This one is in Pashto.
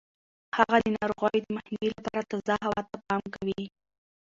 هغه د ناروغیو د مخنیوي لپاره تازه هوا ته پام کوي.